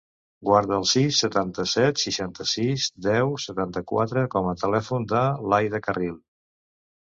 Guarda el sis, setanta-set, seixanta-sis, deu, setanta-quatre com a telèfon de l'Aïda Carril.